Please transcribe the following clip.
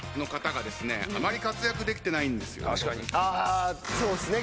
あそうっすね